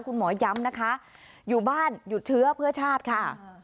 คุณหมอย้ำนะคะอยู่บ้านหยุดเชื้อเพื่อชาติค่ะ